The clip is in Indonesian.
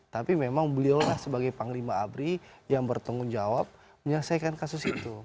tapi memang beliau lah sebagai panglima abri yang bertanggung jawab menyelesaikan kasus itu